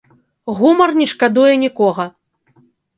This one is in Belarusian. Гумар не шкадуе нікога!